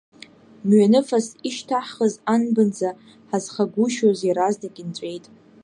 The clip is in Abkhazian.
Мҩаныфас ишьҭаҳхыз анбанӡа ҳазхагушьоз, иаразнак инҵәеит.